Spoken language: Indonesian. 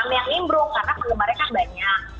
kami yang imbrung karena pengembarnya kan banyak